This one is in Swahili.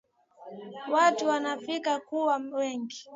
Watu wanafika kuwa wengi